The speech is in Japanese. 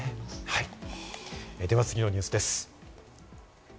では次のニュースです。